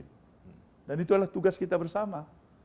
dan itu adalah tugas kita bersama